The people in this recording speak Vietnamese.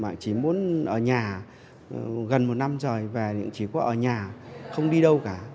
nhưng ở nhà gần một năm rồi về thì chỉ có ở nhà không đi đâu cả